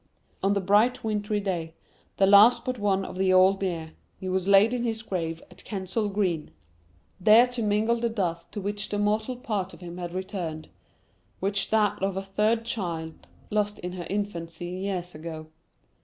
On the bright wintry day, the last but one of the old year, he was laid in his grave at Kensal Green, there to mingle the dust to which the mortal part of him had returned, with that of a third child, lost in her infancy years ago.